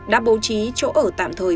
đã bố trí chỗ ở tạm thời